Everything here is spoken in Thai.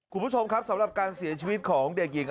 คุณผู้ชมครับสำหรับการเสียชีวิตของเด็กหญิง